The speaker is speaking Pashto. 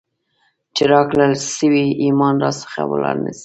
چي راکړل سوئ ایمان را څخه ولاړ نسي ،